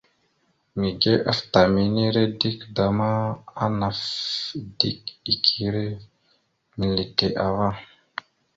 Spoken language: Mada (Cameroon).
Mige afta minire dik da ma, anaf dik ire milite ava.